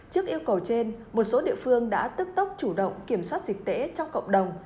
trước yêu cầu trên một số địa phương đã tức tốc chủ động kiểm soát dịch tễ trong cộng đồng